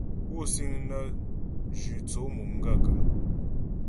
Pú síŋ nə́ zhʉ́ tsó mo gaə̂kə́ ?